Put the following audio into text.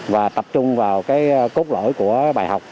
và tập trung vào cái cốt lõi của bài học